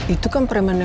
itu kan premaneo